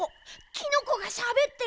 キノコがしゃべってる！